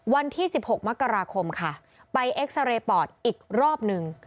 วันที่๑๖มกราคมค่ะไปเอ็กซาเรย์ปอดอีกรอบนึง